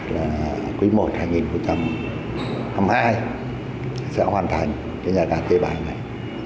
là quý i hai nghìn hai mươi một hai mươi hai sẽ hoàn thành cái nhà ga t bảy này